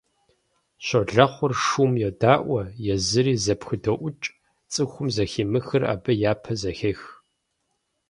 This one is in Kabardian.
Щолэхъур шум йодаӀуэ, езыри зэпходэӏукӏ; цӀыхум зэхимыхыр абы япэ зэхех.